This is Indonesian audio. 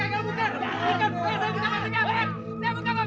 iya tuan dan ini adalah istrinya tuan